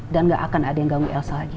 dan gak akan ada yang ganggu elsa lagi